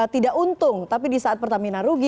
tidak untung tapi di saat pertamina rugi